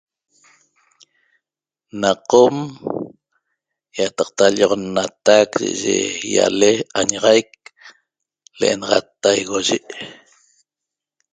Na Qom ýataqta lli'oxannatac yi'yi ýale añaxaic l'enaxat Taigoyi'